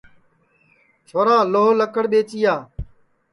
چھورا لھو لکڑ ٻئجیا